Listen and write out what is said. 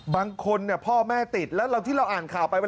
บางคนพ่อแม่ติดแล้วที่เราอ่านข่าวไป